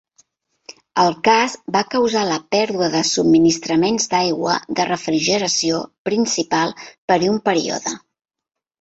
El cas va causar la pèrdua de subministraments d'aigua de refrigeració principal per un període.